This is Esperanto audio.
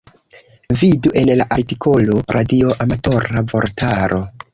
Vidu en la artikolo radioamatora vortaro.